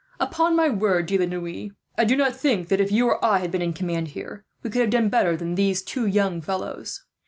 "Upon my word, De la Noue, I do not think that, if you or I had been in command here, we could have done better than these two young fellows."